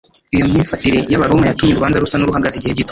iyo myifatire y’abaroma yatumye urubanza rusa n’uruhagaze igihe gito;